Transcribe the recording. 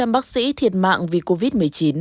một trăm linh bác sĩ thiệt mạng vì covid một mươi chín